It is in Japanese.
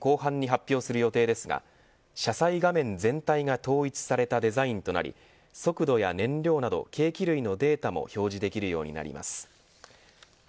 対応車種は来年後半に発表する予定ですが車載画面全体が統一されたデザインとなり速度や燃料など計器類のデータも表示できるようになります。